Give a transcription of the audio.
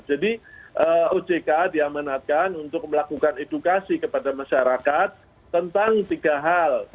ojk diamanatkan untuk melakukan edukasi kepada masyarakat tentang tiga hal